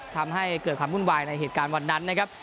ทำให้เกิดความวุ่นวายในเหตุการณ์วันนั้นนะครับ